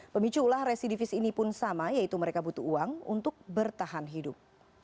pemicu ulah residivis ini pun sama yaitu mereka butuh uang untuk bertahan hidup